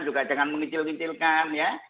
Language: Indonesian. juga jangan mengintil intilkan ya